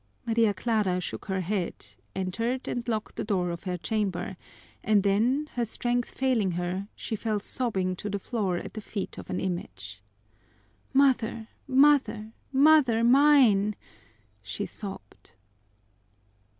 Maria Clara shook her head, entered and locked the door of her chamber, and then, her strength failing her, she fell sobbing to the floor at the feet of an image. "Mother, mother, mother mine!" she sobbed.